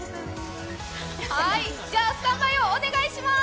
じゃあスタンバイをお願いします。